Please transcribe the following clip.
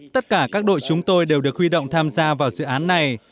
tất cả các đội chúng tôi đều được huy động tham gia vào dự án này